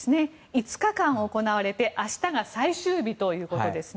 ５日間、行われて明日が最終日ということです。